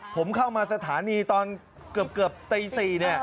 ผมเข้ามาสถานีตอนเกือบตี๔